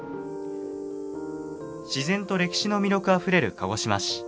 自然と歴史の魅力あふれる鹿児島市。